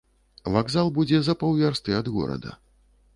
Вакзал будзе за паўвярсты ад горада.